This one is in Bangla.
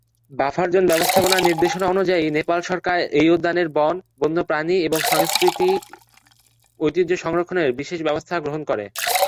বাফার জোন ব্যবস্থাপনা নির্দেশনা অনুযায়ী নেপাল সরকার এই উদ্যানের বন, বন্যপ্রাণী এবং সাংস্কৃতিক ঐতিহ্য সংরক্ষণে বিশেষ ব্যবস্থা গ্রহণ করে।